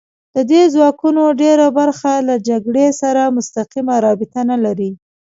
د دې ځواکونو ډېره برخه له جګړې سره مستقیمه رابطه نه لري